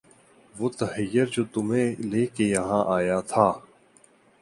وُہ تحیّر جو تُمھیں لے کے یہاں آیا تھا